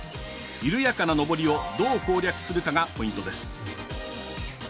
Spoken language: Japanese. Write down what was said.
緩やかな上りをどう攻略するかがポイントです。